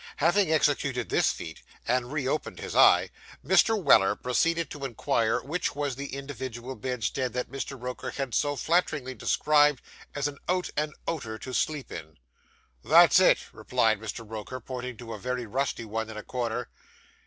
Having executed this feat, and reopened his eye, Mr. Weller proceeded to inquire which was the individual bedstead that Mr. Roker had so flatteringly described as an out and outer to sleep in. 'That's it,' replied Mr. Roker, pointing to a very rusty one in a corner.